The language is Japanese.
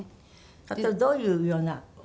例えばどういうような？